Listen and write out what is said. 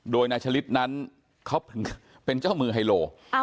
โดยนายฉลิดนั้นเขาเป็นเจ้ามือไฮโล